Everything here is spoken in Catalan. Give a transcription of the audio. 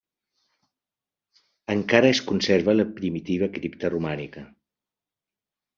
Encara es conserva la primitiva cripta romànica.